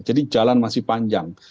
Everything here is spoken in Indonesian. jadi jalan masih panjang